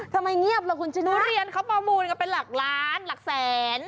ทำไมเงียบล่ะคุณชนะทุเรียนเขาประมูลกันเป็นหลักล้านหลักแสน